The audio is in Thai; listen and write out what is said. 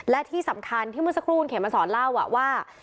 และที่สำคัญที่เมื่อสักครู่คุณเขมมาสอนเล่าว่า